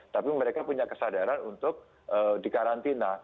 tapi mereka punya kesadaran untuk di karantina